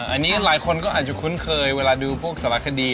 อันนี้หลายคนก็อาจจะคุ้นเคยเวลาดูพวกสารคดี